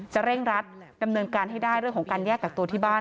เร่งรัดดำเนินการให้ได้เรื่องของการแยกกักตัวที่บ้าน